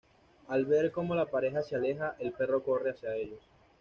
Al ver cómo la pareja se aleja, el perro corre hacia ellos.